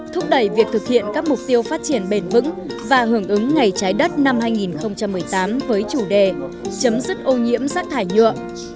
thúc đẩy việc thực hiện các mục tiêu phát triển bền vững và hưởng ứng ngày trái đất năm hai nghìn một mươi tám với chủ đề chấm dứt ô nhiễm rác thải nhựa